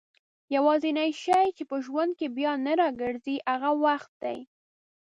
يوازينی شی چي په ژوند کي بيا نه راګرځي هغه وخت دئ